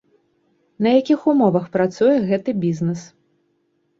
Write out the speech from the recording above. На якіх умовах працуе гэты бізнес?